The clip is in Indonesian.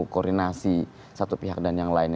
koordinasi satu pihak dan yang lain